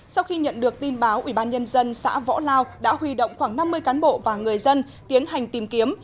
sau khi nhận được tin báo ủy ban nhân dân xã võ lao đã huy động khoảng năm mươi cán bộ và người dân tiến hành tìm kiếm